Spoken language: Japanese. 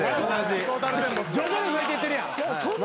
徐々に増えていってるやん。